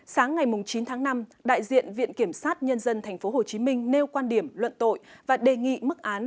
sáng ngày chín tháng năm đại diện viện kiểm sát nhân dân tp hcm nêu quan điểm luận tội và đề nghị mức án